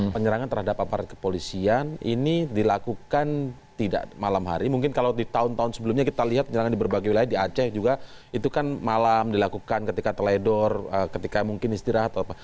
penyerangan terhadap aparat kepolisian ini dilakukan tidak malam hari mungkin kalau di tahun tahun sebelumnya kita lihat penyerangan di berbagai wilayah di aceh juga itu kan malam dilakukan ketika teledor ketika mungkin istirahat atau apa